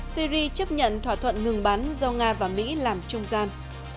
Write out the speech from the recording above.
syri chấp nhận thỏa thuận ngừng bắn do nga và mỹ làm trung gian